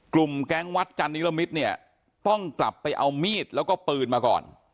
แก๊งวัดจันนิรมิตรเนี่ยต้องกลับไปเอามีดแล้วก็ปืนมาก่อน